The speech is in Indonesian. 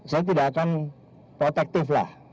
saya tidak akan protektiflah